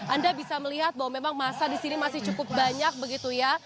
anda bisa melihat bahwa memang masa di sini masih cukup banyak begitu ya